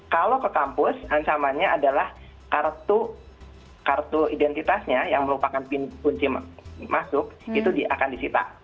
kalau ke kampus ancamannya adalah kartu identitasnya yang merupakan kunci masuk itu akan disita